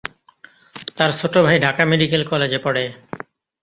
তার ছোট ভাই ঢাকা মেডিকেল কলেজে পড়ে।